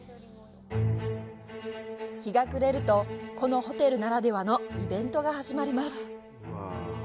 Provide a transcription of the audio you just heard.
日が暮れるとこのホテルならではのイベントが始まります！